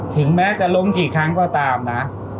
ถึงแม้จะล้มกี่ครั้งก็ตามนะ